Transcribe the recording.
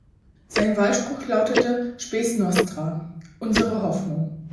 Sein Wahlspruch lautete "Spes Nostra" („Unsere Hoffnung“).